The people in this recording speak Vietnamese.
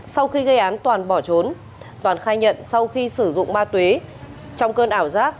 sau khi gây án toàn bỏ trốn toàn khai nhận sau khi sử dụng ma túy trong cơn ảo giác